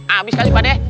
abis kali pak deh